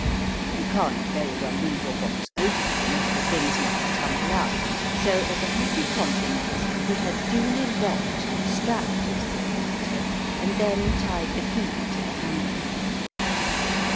You can't very well leave your box open, as the things might tumble out. So, as a happy compromise, he had duly locked and strapped his portmanteau, and then tied the key to the handle.